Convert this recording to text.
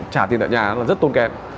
trả tiền tại nhà là rất tôn kèm